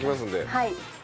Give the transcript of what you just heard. はい。